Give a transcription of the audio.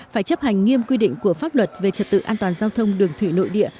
phải chấp hành nghiêm quy định của pháp luật về trật tự an toàn giao thông đường thủy nội địa